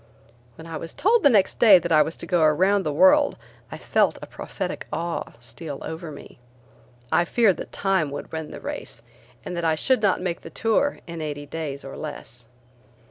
When I was told the next day that I was to go around the world I felt a prophetic awe steal over me. I feared that Time would win the race and that I should not make the tour in eighty days or less.